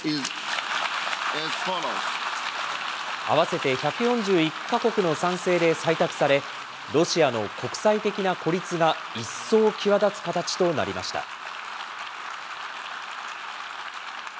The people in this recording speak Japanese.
合わせて１４１か国の賛成で採択され、ロシアの国際的な孤立が一層、際立つ形となりました。